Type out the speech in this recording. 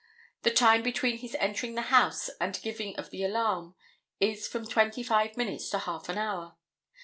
The time between his entering the house and the giving of the alarm is from twenty five minutes to half an hour.